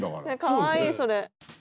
かわいいそれ。